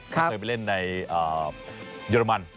เคยไปเล่นในเยอรมัน